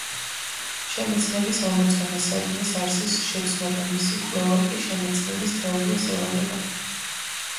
შემეცნების ამოცანა საგნის არსის შეცნობა, მისი კვლევა კი შემეცნების თეორიას ევალება.